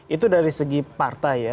itu dari segi partai ya